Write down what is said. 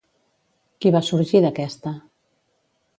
Qui va sorgir d'aquesta?